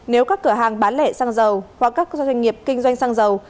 nếu các cửa hàng bán lẻ xăng dầu hoặc các doanh nghiệp kinh doanh xăng dầu